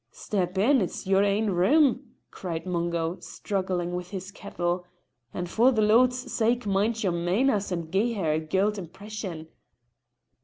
"Step in; it's your ain room," cried Mungo, struggling with his kettle; "and for the Lord's sake mind your mainners and gie her a guid impression."